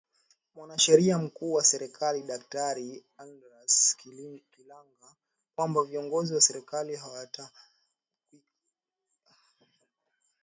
Mwanasheria Mkuu wa Serikali Daktari Adelardus Kilangi kwamba viongozi wa serikali hawatakiwi kuwa na